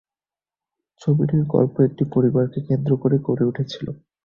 ছবিটির গল্প একটি পরিবারকে কেন্দ্র করে গড়ে উঠেছে।